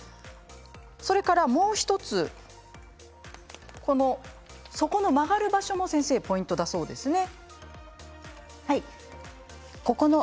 それからもう１つ、底の曲がる場所も先生ポイントだそうですね。